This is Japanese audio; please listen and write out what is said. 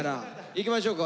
いきましょうか。